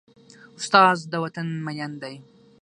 استاد د وطن مین دی.